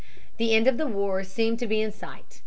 The end of the war seemed to be in sight.